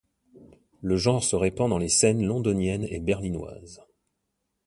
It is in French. Le genre se répand dans les scènes londoniennes et berlinoises.